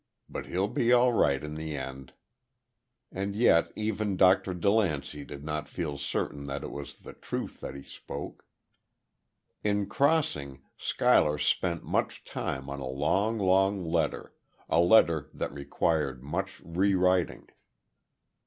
But he'll be all right in the end." And yet even Dr. DeLancey did not feel certain that it was the truth that he spoke. In crossing, Schuyler spent much time on a long, long letter a letter that required much rewriting.